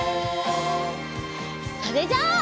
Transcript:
それじゃあ。